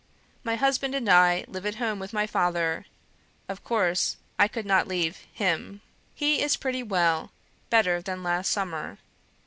My husband and I live at home with my father; of course, I could not leave HIM. He is pretty well, better than last summer.